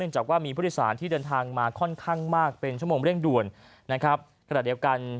จากว่ามีผู้ที่สารที่เดินทางมาค่อนข้างมากเป็นชั่วโมงเร่งด่วน